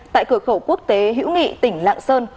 tại cửa khẩu quốc tế hữu nghị tỉnh lạng sơn